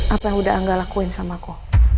apa yang udah angga lakuin sama kok